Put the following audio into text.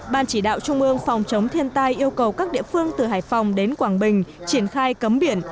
ban chỉ đạo trung ương phòng chống thiên tai yêu cầu các địa phương từ hải phòng đến quảng bình triển khai cấm biển